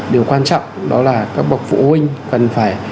điều quan trọng đó là các bậc phụ huynh cần phải